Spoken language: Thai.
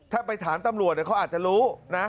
ถ้าไปถามตำรวจเขาอาจจะรู้นะ